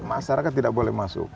masyarakat tidak boleh masuk